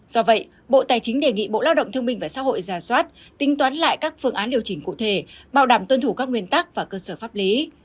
do vậy bộ tài chính đề nghị bộ lao động thương minh và xã hội ra soát tính toán lại các phương án điều chỉnh cụ thể bảo đảm tuân thủ các nguyên tắc và cơ sở pháp lý